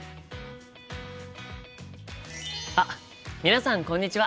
あっ皆さんこんにちは！